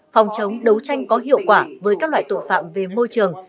phòng chống đấu tranh có hiệu quả với các loại tội phạm về môi trường